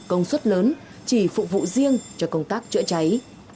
công suất lớn chỉ phục vụ riêng cho công tác chữa cháy